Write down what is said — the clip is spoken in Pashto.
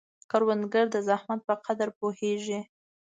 کروندګر د زحمت په قدر پوهیږي